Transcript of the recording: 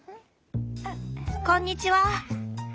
こんにちは。